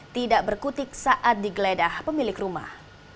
tidak berkutik saat digeledah pemilik rumah